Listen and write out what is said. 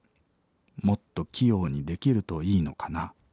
もっと器用にできるといいのかな。